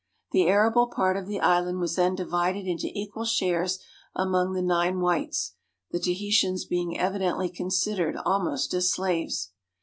The arable part of the island was then divided into equal shares among the nine whites, the Tahitans being evi dently considered almost as slaves.